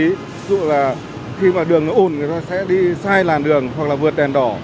ví dụ là khi mà đường nó ôn người ta sẽ đi sai làn đường hoặc là vượt đèn đỏ